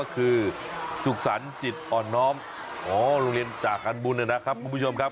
คือสุขสรรค์จิตอ่อนน้อมอ๋อโรงเรียนจากการบุญนะครับคุณผู้ชมครับ